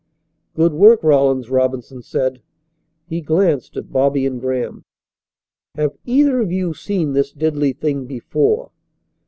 "Good work, Rawlins," Robinson said. He glanced at Bobby and Graham. "Have either of you seen this deadly thing before?"